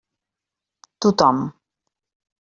Tothom.